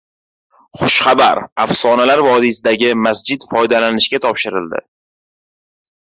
Xushxabar: “Afsonalar vodiysi”dagi masjid foydalanishga topshirildi